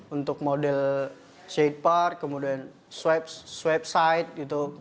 untuk model shade part kemudian swipe side gitu